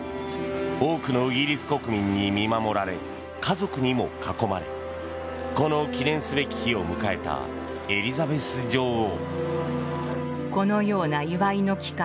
多くのイギリス国民に見守られ家族にも囲まれこの記念すべき日を迎えたエリザベス女王。